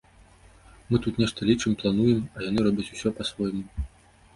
Мы тут нешта лічым, плануем, а яны робяць усё па-свойму.